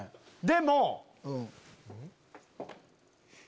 でも。